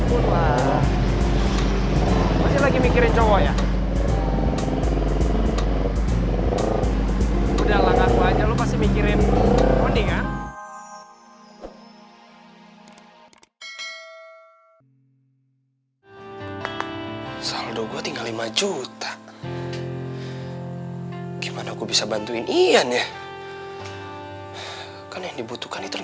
udahlah gak apa aja lo pasti mikirin